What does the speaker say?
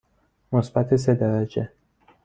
مثبت سه درجه.